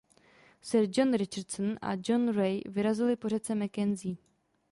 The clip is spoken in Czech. Sir John Richardson a John Rae vyrazili po řece Mackenzie.